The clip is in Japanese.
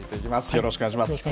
よろしくお願いします。